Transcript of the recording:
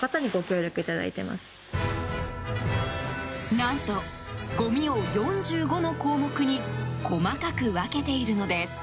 何と、ごみを４５の項目に細かく分けているのです。